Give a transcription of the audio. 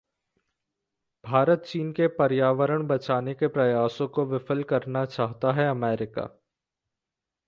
भारत-चीन के पर्यावरण बचाने के प्रयासों को विफल करना चाहता है अमेरिका!